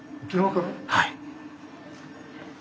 はい。